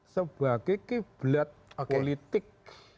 sebagai kiblat politik